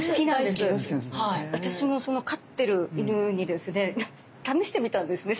私も飼ってる犬にですね試してみたんですね